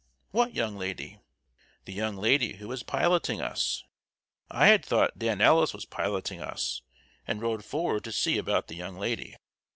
"What young lady?" "The young lady who is piloting us." I had thought Dan Ellis was piloting us, and rode forward to see about the young lady.